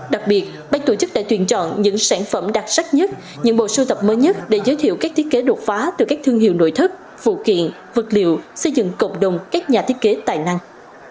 đặc biệt bác tổ chức đã tuyển chọn những sản phẩm đặc sắc nhất những bộ sưu tập mới nhất để giới thiệu các thiết kế đột phá từ các thương hiệu nội thất vụ kiện vật liệu xây dựng cộng đồng các nhà thiết kế tài năng